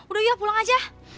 udah ya pulang aja